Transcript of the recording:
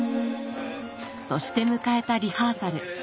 そして迎えたリハーサル。